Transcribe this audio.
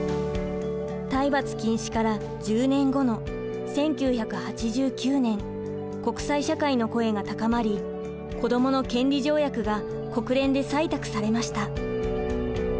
体罰禁止から１０年後の１９８９年国際社会の声が高まり子どもの権利条約が国連で採択されました。